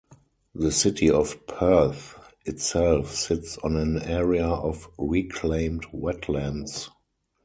The City of Perth itself sits on an area of reclaimed wetlands.